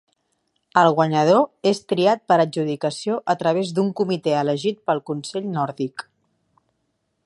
El guanyador és triat per adjudicació a través d'un comitè elegit pel Consell Nòrdic.